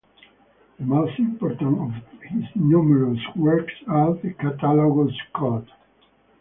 The most important of his numerous works are the Catalogus Codd.